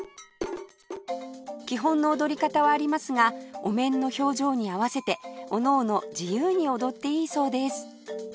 基本の踊り方はありますがお面の表情に合わせておのおの自由に踊っていいそうです